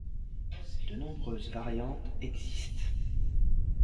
De nombreuses variantes existent.